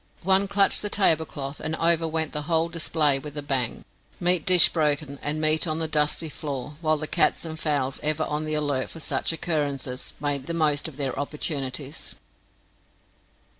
One clutched the tablecloth, and over went the whole display with a bang meat dish broken, and meat on the dusty floor; while the cats and fowls, ever on the alert for such occurrences, made the most of their opportunities.